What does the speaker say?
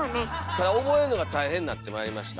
ただ覚えんのが大変になってまいりました。